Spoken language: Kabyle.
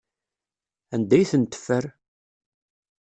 Anda ay tent-teffer?